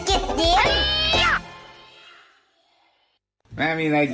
อู๊ยจะกินหมูทอด